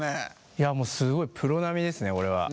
いやもうすごいプロ並みですねこれは。